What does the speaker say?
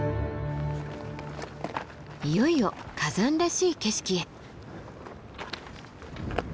いよいよ火山らしい景色へ。